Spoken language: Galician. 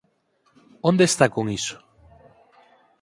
Onde está con iso?